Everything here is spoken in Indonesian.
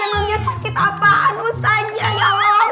yang nungguin sakit apaan ustazah ya allah